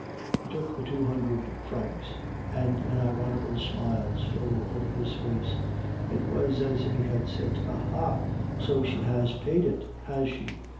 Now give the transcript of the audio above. "'He took the two hundred francs, and an ironical smile stole over his face; it was as if he had said, "Aha! so she has paid it, has she?